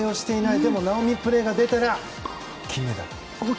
でもなおみプレーが出たら金メダル。